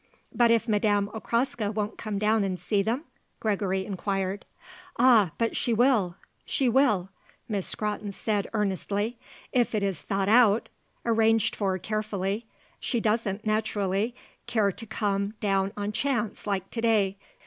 "But if Madame Okraska won't come down and see them?" Gregory inquired. "Ah, but she will; she will," Miss Scrotton said earnestly; "if it is thought out; arranged for carefully. She doesn't, naturally, care to come down on chance, like to day.